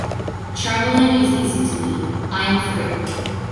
Traveling is easy to me... I am free.